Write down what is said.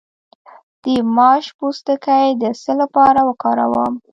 د ماش پوستکی د څه لپاره وکاروم؟